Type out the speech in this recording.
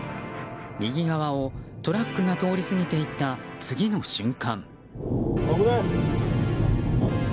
右側をトラックが通り過ぎて行った次の瞬間。